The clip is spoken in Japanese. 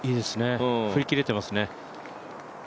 振り切れてますね。